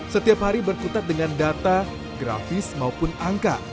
setiap hari berkutat dengan data grafis maupun angka